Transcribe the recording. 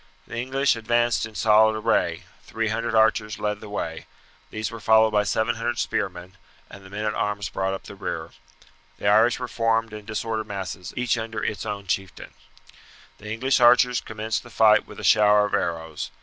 The English advanced in solid array: 300 archers led the way; these were followed by 700 spearmen, and the men at arms brought up the rear. The Irish were formed in disordered masses, each under its own chieftain. The English archers commenced the fight with a shower of arrows.